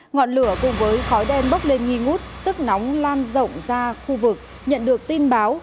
ngọn lửa cùng với khói đen bốc lên nghi ngút sức nóng lan rộng ra khu vực nhận được tin báo